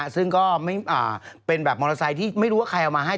ซึ่งก็เป็นแบบมอเตอร์ไซค์ที่ไม่รู้ว่าใครเอามาให้